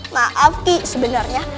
maaf ki sebenarnya